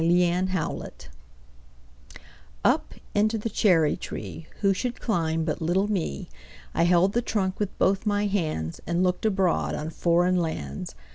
Foreign Lands UP into the cherry treeWho should climb but little me?I held the trunk with both my handsAnd looked abroad on foreign lands.